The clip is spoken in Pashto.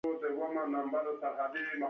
ایا زه باید وچه ډوډۍ وخورم؟